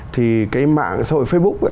thì cái mạng xã hội facebook